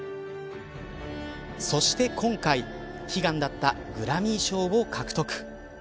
そして今回悲願だったグラミー賞を獲得。